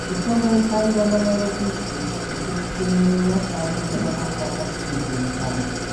Ekitongole Kya Uganda Virus Institue kye kyekenneenya sampolo z'akawuka ka ssenyiga omukambwe.